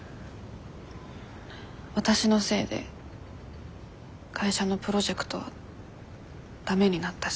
わたしのせいで会社のプロジェクトはダメになったし。